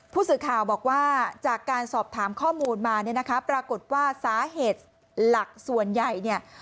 ผู้สื่อข่าวบอกว่าจากการสอบถามข้อมูลมาเนี่ยนะคะปรากฏว่าสาเหตุหลักส่วนใหญ่เนี่ย